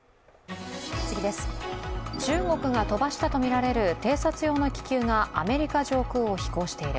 中国が飛ばしたとみられる偵察用の気球がアメリカ上空を飛行している。